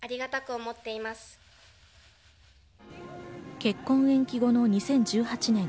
結婚延期後の２０１８年。